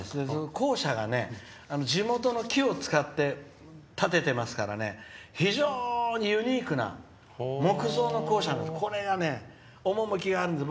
校舎が、地元の木を使って建てていますから非常にユニークな木造の校舎でこれが趣があるんです。